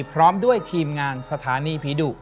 พร้อมด้วยทีมงานสถานีผีดุ